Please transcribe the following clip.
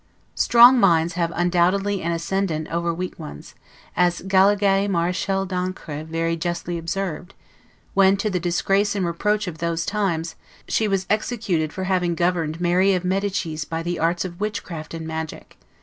Strong minds have undoubtedly an ascendant over weak ones, as Galigai Marachale d'Ancre very justly observed, when, to the disgrace and reproach of those times, she was executed for having governed Mary of Medicis by the arts of witchcraft and magic.